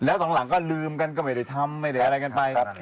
แล้วตอนหลังก็ลืมกันกันไม่ได้ทำอะไรอะไรไป